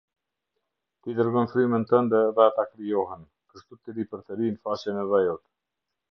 Ti dërgon frymën tënde dhe ata krijohen, kështu ti ripërtërin faqen e dheut.